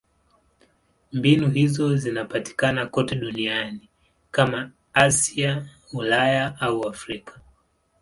Mbinu hizo zinapatikana kote duniani: kama ni Asia, Ulaya au Afrika.